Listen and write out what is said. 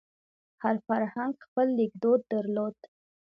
هر فرهنګ خپل لیکدود درلود.